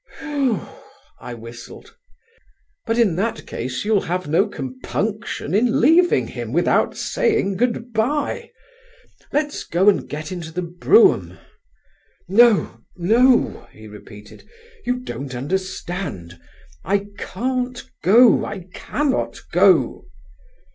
"Whew!" I whistled. "But in that case you'll have no compunction in leaving him without saying 'goodbye.' Let's go and get into the brougham." "No, no," he repeated, "you don't understand; I can't go, I cannot go."